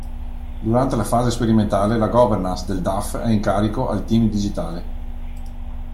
Durante la fase sperimentale la governance del DAF è in carico al Team Digitale.